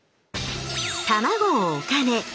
卵をお金